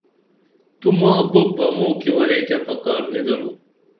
تو ماں بُوب بہ موں کی ورے کیہ پکار نی درو